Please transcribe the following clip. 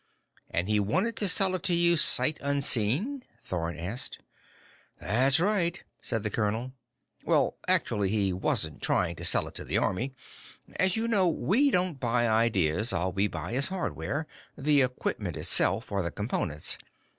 "And he wanted to sell it to you sight unseen?" Thorn asked. "That's right," said the colonel. "Well, actually, he wasn't trying to sell it to the Army. As you know, we don't buy ideas; all we buy is hardware, the equipment itself, or the components.